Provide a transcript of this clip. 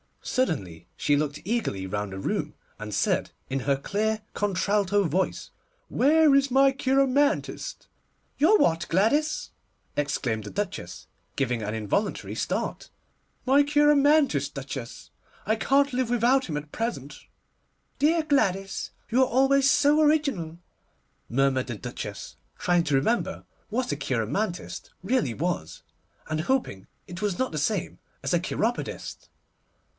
Suddenly she looked eagerly round the room, and said, in her clear contralto voice, 'Where is my cheiromantist?' 'Your what, Gladys?' exclaimed the Duchess, giving an involuntary start. 'My cheiromantist, Duchess; I can't live without him at present.' 'Dear Gladys! you are always so original,' murmured the Duchess, trying to remember what a cheiromantist really was, and hoping it was not the same as a cheiropodist.